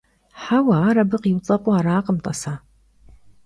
Heue, ar abı khiuts'ep'u arakhım, t'ase.